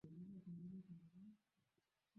mwaka elfu moja mia tisa tisini na tisa